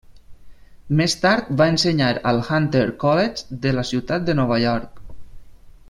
Més tard va ensenyar al Hunter College de la ciutat de Nova York.